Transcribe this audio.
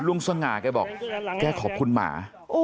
สง่าแกบอกแกขอบคุณหมา